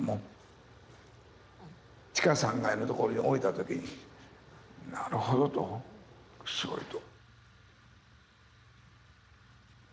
地下３階の所に置いた時になるほどとすごいと。